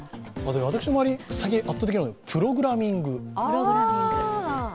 私の周りで圧倒的なのがプログラミング。